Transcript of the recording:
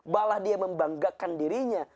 balah dia membanggakan dirinya